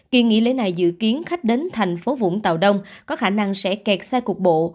kỳ nghỉ lễ này dự kiến khách đến thành phố vũng tàu đông có khả năng sẽ kẹt xe cục bộ